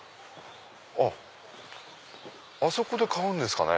あそこで買うんですかね。